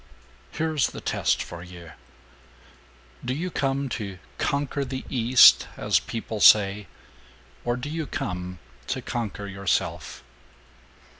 "Here's the test for you: Do you come to 'conquer the East,' as people say, or do you come to conquer yourself?